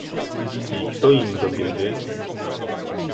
"I kto im dowiedzie?"